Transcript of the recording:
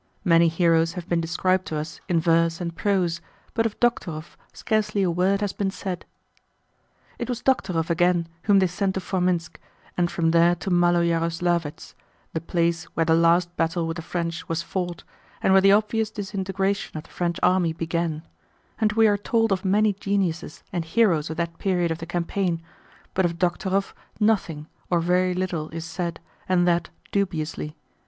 Many heroes have been described to us in verse and prose, but of Dokhtúrov scarcely a word has been said. It was Dokhtúrov again whom they sent to Formínsk and from there to Málo Yaroslávets, the place where the last battle with the French was fought and where the obvious disintegration of the French army began; and we are told of many geniuses and heroes of that period of the campaign, but of Dokhtúrov nothing or very little is said and that dubiously.